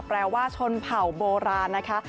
แปลว่าชนเผ่าโบราณนะคะ